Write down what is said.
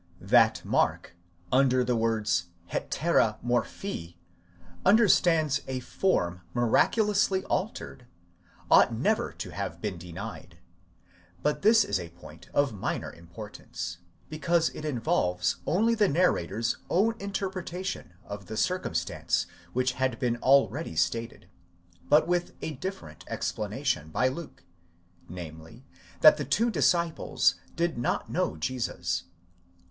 That Mark, under the words ἑτέρα μορφὴ understands a form miraculously altered, ought never to have been denied; 15 but this is a point of minor importance, because it involves only the narrator's own interpretation of the circumstance which had been already stated, but with a different explanation, by Luke: namely, that the two disciples did not know Jesus.